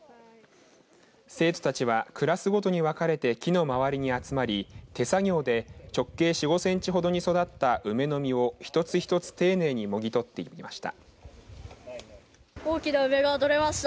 生徒たちはクラスごとに分かれて木の周りに集まり手作業で直径４５センチほどに育った梅の実を一つ一つ丁寧にもぎとっていきました。